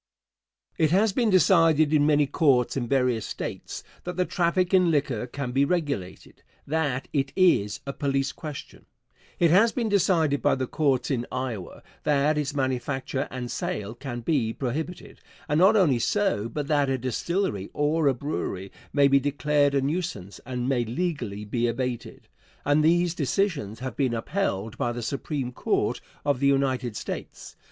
It has been decided in many courts in various States that the traffic in liquor can be regulated that it is a police question. It has been decided by the courts in Iowa that its manufacture and sale can be prohibited, and, not only so, but that a distillery or a brewery may be declared a nuisance and may legally be abated, and these decisions have been upheld by the Supreme Court of the United States.